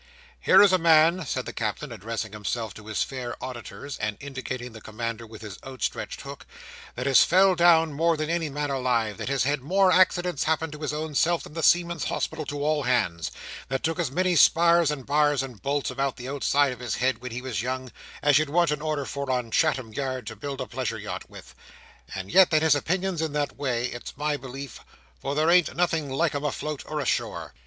"Here is a man," said the Captain, addressing himself to his fair auditors, and indicating the commander with his outstretched hook, "that has fell down, more than any man alive; that has had more accidents happen to his own self than the Seamen's Hospital to all hands; that took as many spars and bars and bolts about the outside of his head when he was young, as you'd want a order for on Chatham yard to build a pleasure yacht with; and yet that his opinions in that way, it's my belief, for there ain't nothing like 'em afloat or ashore."